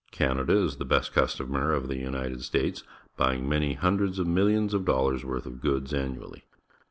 Canada is the best customer of the United States, buying many hundreds of millions of dollars' worth of goods annually.